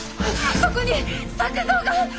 そこに作藏が！